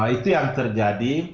itu yang terjadi